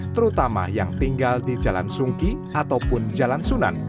terutama yang tinggal di jalan sungki ataupun jalan sunan